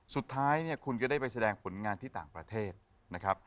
สุดท้ายเนี่ยคุณก็ได้ไปแสดงผลงานที่ต่างประเทศนะครับ